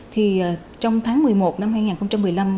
thì trong tháng một mươi một năm hai nghìn một mươi năm